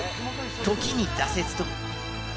時に挫折と。